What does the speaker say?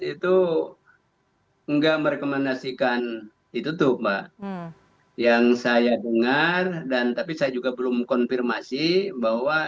itu enggak merekomendasikan itu tuh mbak yang saya dengar dan tapi saya juga belum konfirmasi bahwa